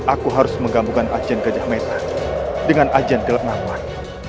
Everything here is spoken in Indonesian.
aku harus menggambungkan ajian gajah meta dengan ajian gelengawan